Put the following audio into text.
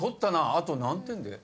あと何点で？